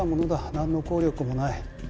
なんの効力もない。